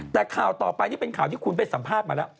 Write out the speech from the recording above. แต่ข่าวต่อไปนี่เป็นข่าวที่คุณไปสัมภาษณ์มาแล้ว